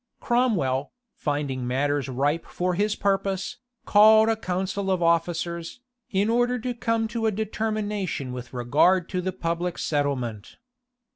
Cromwell, finding matters ripe for his purpose, called a council of officers, in order to come to a determination with regard to the public settlement.